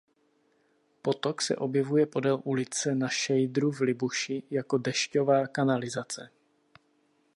Potok se objevuje podél ulice Na Šejdru v Libuši jako dešťová kanalizace.